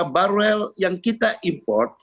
baruel yang kita import